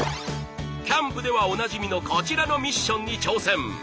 キャンプではおなじみのこちらのミッションに挑戦。